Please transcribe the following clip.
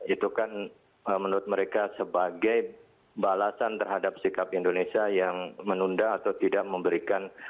itu kan menurut mereka sebagai balasan terhadap sikap indonesia yang menunda atau tidak memberikan